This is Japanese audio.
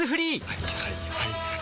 はいはいはいはい。